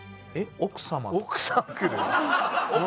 奥様？